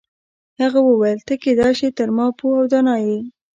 هغه وویل ته کیدای شي تر ما پوه او دانا یې.